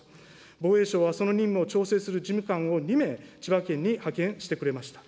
防衛省は、その任務を調整する事務官を２名、千葉県に派遣してくれました。